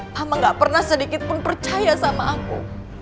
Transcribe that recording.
mama gak pernah sedikit pun percaya sama aku